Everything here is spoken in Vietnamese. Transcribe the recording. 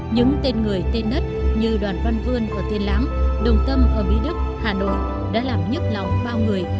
những tên người tên nất như đoàn văn vương ở tiên láng đồng tâm ở mỹ đức hà nội đã làm nhức lóng bao người